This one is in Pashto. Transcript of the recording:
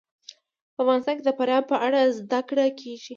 په افغانستان کې د فاریاب په اړه زده کړه کېږي.